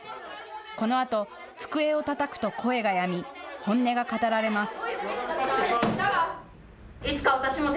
このあと机をたたくと声がやみ、本音が語られます。